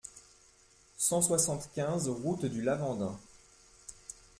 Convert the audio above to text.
cent soixante-quinze route du Lavandin